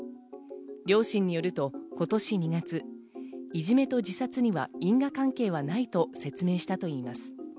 両親によると今年２月、いじめと自殺には因果関係はないと説明したといいます。